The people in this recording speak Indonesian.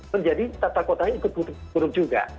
menjadi tata kotanya ikut buruk juga